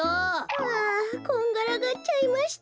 あこんがらがっちゃいました。